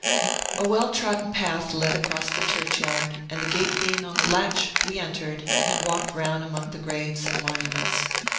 A well trodden path led across the churchyard, and the gate being on the latch, we entered, and walked round among the graves and monuments.